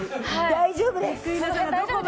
大丈夫ですか？